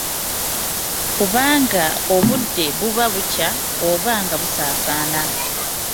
Kubanga obudde buba bukya oba nga busaasaana.